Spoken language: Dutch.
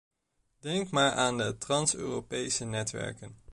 Denk maar aan de trans-Europese netwerken.